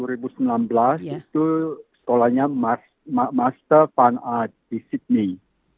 itu sekolahnya master fun art di sydney